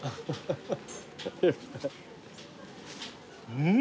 うん！